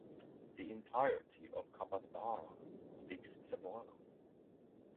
The entirety of Cabadbaran speaks Cebuano.